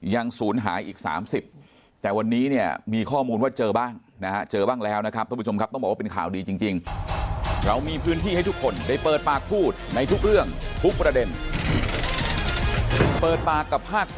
ยังศูนย์หายอีก๓๐แต่วันนี้เนี่ยมีข้อมูลว่าเจอบ้างนะฮะเจอบ้างแล้วนะครับท่านผู้ชมครับ